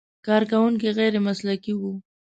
کارکوونکي غیر مسلکي و.